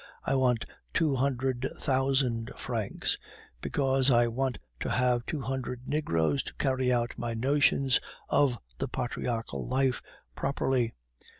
I want two hundred thousand francs, because I want to have two hundred negroes to carry out my notions of the patriarachal life properly.